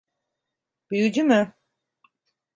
Büyücü mü?